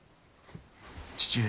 父上！？